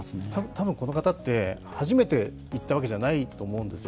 たぶんこの方って初めて言ったわけじゃないと思うんです。